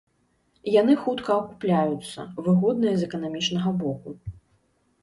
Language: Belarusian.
Яны хутка акупляюцца, выгодныя з эканамічнага боку.